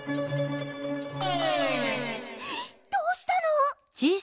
どうしたの！？